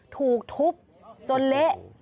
ถูกทุบจนเละ